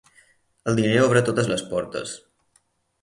El diner obre totes les portes.